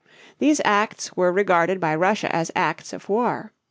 These acts were regarded by Russia as acts of war.